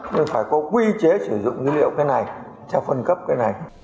nên phải có quy chế sử dụng nguyên liệu cái này cho phân cấp cái này